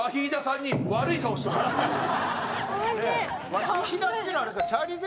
ワヒヒダっていうのはあれですか？